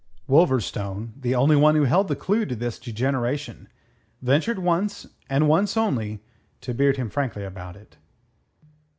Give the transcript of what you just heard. Wolverstone, the only one who held the clue to this degeneration, ventured once and once only to beard him frankly about it.